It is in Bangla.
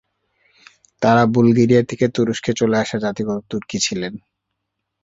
তারা বুলগেরিয়া থেকে তুরস্কে চলে আসা জাতিগত তুর্কি ছিলেন।